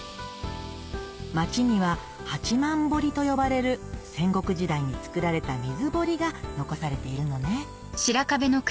町にはと呼ばれる戦国時代に造られた水堀が残されているのね